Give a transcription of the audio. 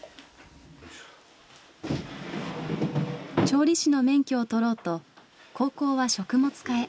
調理師の免許を取ろうと高校は食物科へ。